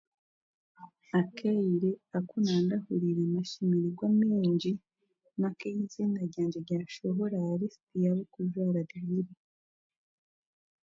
Akaire aku naandahuriire amashemererwa maingi n'aku eiziina ryangye ryashohora ha lisiti y'abokujwara diguri.